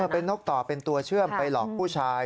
เป็นนกต่อเป็นตัวเชื่อมไปหลอกผู้ชาย